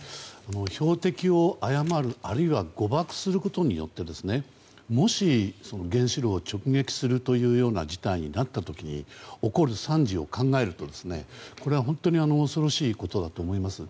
標的を誤るあるいは誤爆することによってもし、原子炉を直撃するような事態になった時に起こる参事を考えるとこれは本当に恐ろしいことだと思います。